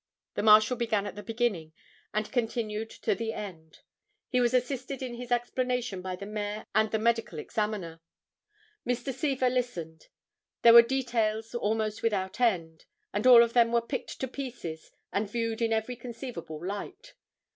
The Marshal began at the beginning and continued to the end. He was assisted in his explanation by the Mayor and the Medical Examiner. Mr. Seaver listened. There were details almost without end, and all of them were picked to pieces and viewed in every conceivable light.